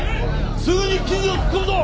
すぐに記事を突っ込むぞ！